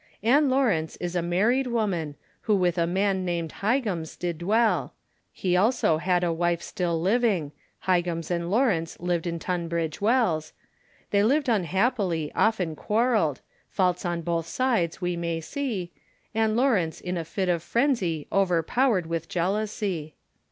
Ann Lawrence is a married woman, Who with a man named Highams did dwell; He also had a wife still living, Highams and Lawrence lived at Tunbridge Wells, They lived unhappy, often quarrelled, Faults on both sides we may see, Ann Lawrence in a fit of frenzy, Overpowered with jealousy.